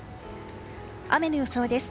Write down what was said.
雨の予想です。